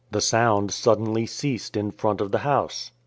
The sound suddenly ceased in front of the house.